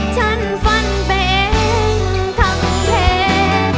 ฉันฝันเป็นทั้งเพศ